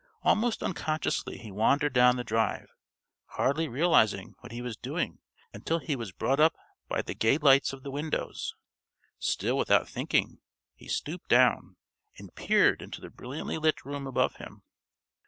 Almost unconsciously he wandered down the drive, hardly realising what he was doing until he was brought up by the gay lights of the windows. Still without thinking, he stooped down and peered into the brilliantly lit room above him.